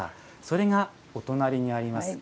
それがお隣にあります